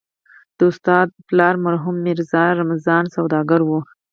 د استاد پلار مرحوم ميرزا رمضان سوداګر و.